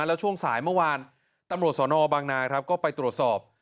แล้วช่วงสายเมื่อวานตำรวจสนบางนาครับก็ไปตรวจสอบ